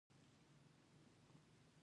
خو هغه د ځوان پروګرامر په اړه فکر کاوه